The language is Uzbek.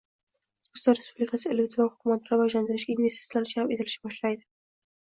O‘zbekiston Respublikasida elektron hukumatni rivojlantirishga investitsiyalar jalb etilishini ta’minlaydi;